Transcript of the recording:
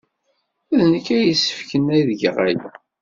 D nekk ay yessefken ad geɣ aya.